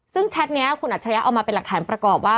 ซึ่งแชทนี้คุณอัจฉริยะเอามาเป็นหลักฐานประกอบว่า